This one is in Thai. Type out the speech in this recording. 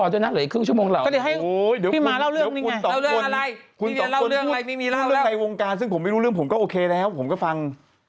เรื่องในวงการซึ่งผมไม่รู้เรื่องผมก็โอเคแล้วผมก็ฟัง